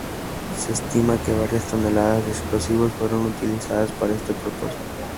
Se estima que varias toneladas de explosivos fueron utilizadas para este propósito.